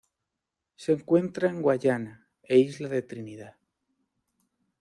Se encuentra en Guayana e isla de Trinidad.